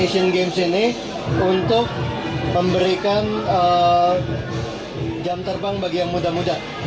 asian games ini untuk memberikan jam terbang bagi yang muda muda